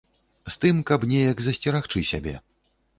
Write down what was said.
З тым, каб неяк засцерагчы сябе.